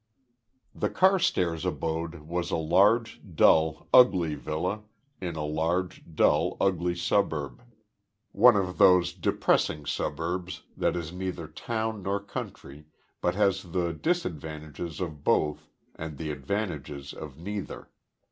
The Carstairs abode was a large, dull, ugly villa in a large, dull, ugly suburb one of those depressing suburbs that is neither town nor country but has the disadvantages of both and the advantages of neither.